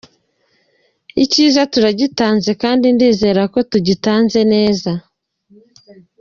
Icyiza turagitanze kandi ndizera ko tugitanze neza.